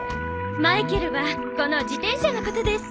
マイケルはこの自転車のことです。